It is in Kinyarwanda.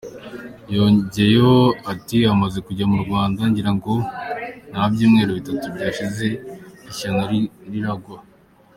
Yongeyeho ati “Amaze kujya mu Rwanda ngira ngo nta byumweru bitatu byashize ishyano riragwa.